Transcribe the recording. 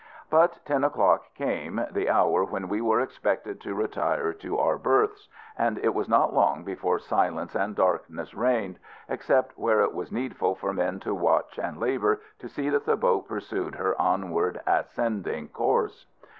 But ten o'clock came, the hour when we were expected to retire to our berths, and it was not long before silence and darkness reigned, except where it was needful for men to watch and labor to see that the boat pursued her onward, ascending course.